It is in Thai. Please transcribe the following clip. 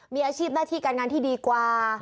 มีอาชีพหน้าที่การงานที่ดีกว่า